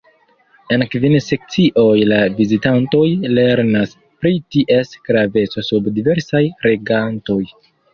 En kvin sekcioj la vizitantoj lernas pri ties graveco sub diversaj regantoj.